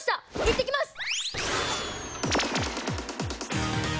行ってきます！